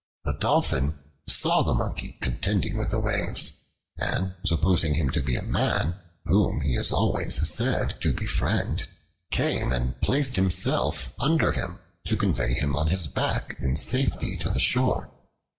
A Dolphin saw the Monkey contending with the waves, and supposing him to be a man (whom he is always said to befriend), came and placed himself under him, to convey him on his back in safety to the shore.